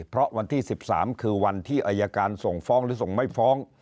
เพราะวันที่๑๓คือวันที่อายการส่งฟ้องหรือส่งไม่ฟ้อง